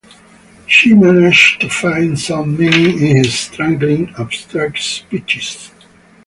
She managed to find some meaning in his struggling, abstract speeches.